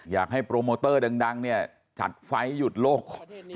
อยากให้โปรโมเตอร์ดังเนี่ยจัดไฟล์หยุดโลก